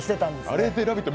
あれで「ラヴィット！」